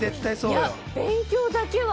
いや勉強だけは。